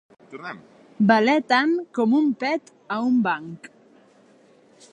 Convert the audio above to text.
Valer tant com un pet a un banc.